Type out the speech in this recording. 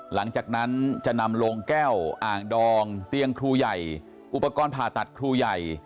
หลังจากนั้นจะนำโลงแก้วอ่างดองเตียงครูใหญ่อุปกรณ์ผ่าตัดครูใหญ่